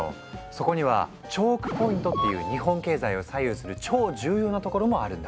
そこにはチョークポイントっていう日本経済を左右する超重要な所もあるんだ。